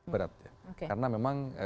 berat karena memang